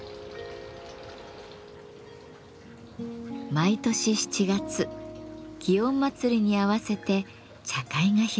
毎年７月園祭に合わせて茶会が開かれます。